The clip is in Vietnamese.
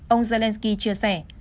ông zelensky chia sẻ